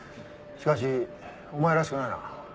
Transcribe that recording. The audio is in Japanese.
しかしお前らしくないな。